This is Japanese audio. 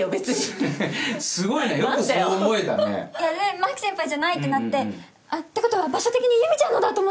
マキ先輩じゃないってなってってことは場所的に由美ちゃんのだ！と思って